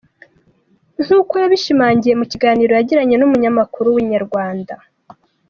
Nk’uko yabishimangiye mu kiganiro yagiranye n’umunyamakuru wa Inyarwanda.